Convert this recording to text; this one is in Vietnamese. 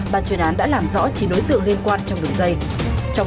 ban chuyên án đã làm rõ các đối tượng của các đối tượng